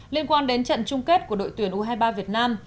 liên quan đến trận chung kết của đội tuyển u hai mươi ba việt nam